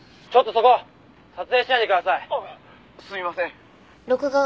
「ちょっとそこ！